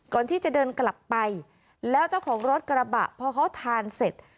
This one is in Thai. ก่อนที่จะเดินกลับไปแล้วเจ้าของรถกระบะพอเขาทานเสร็จ